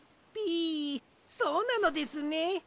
ピそうなのですね。